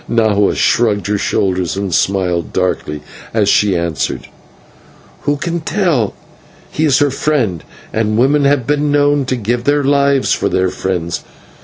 Nahua shrugged her shoulders, and smiled darkly, as she answered: "Who can tell; he is her friend, and women have been known to give their lives for their friends.